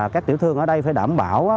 các tiểu thương ở đây phải đảm bảo